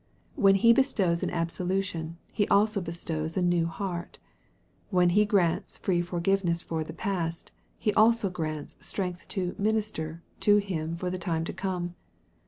When He bestows an absolution, He also bestows a new heart. When He grants free forgiveness for the past, He also grants strength to " minister" to Him for the time to come.